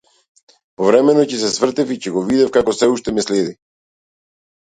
Повремено ќе се свртев и ќе го видев како сѐ уште ме следи.